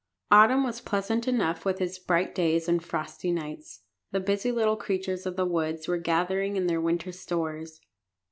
Autumn was pleasant enough with its bright days and frosty nights. The busy little creatures of the woods were gathering in their winter stores.